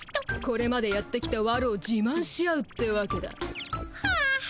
これまでやってきたわるを自まんし合うってわけだ。はあ。